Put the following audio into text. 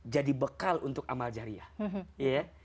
jadi bekal untuk amal jariah